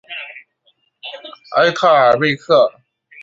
埃特尔贝克。